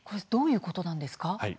どういうことなんですか。